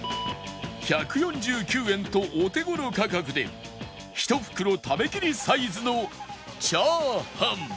１４９円とお手頃価格でひと袋食べきりサイズの炒飯